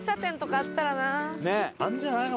あるんじゃないの？